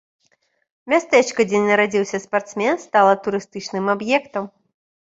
Мястэчка, дзе нарадзіўся спартсмен, стала турыстычным аб'ектам.